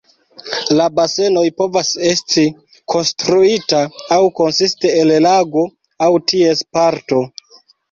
La basenoj povas esti konstruita aŭ konsisti el lago aŭ ties parto.